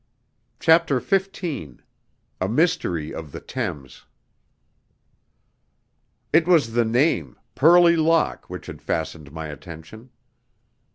CHAPTER XV A Mystery of the Thames It was the name, Purley Lock, which had fastened my attention.